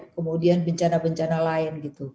kemudian bencana bencana lain gitu